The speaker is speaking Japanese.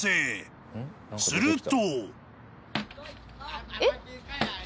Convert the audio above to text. ［すると］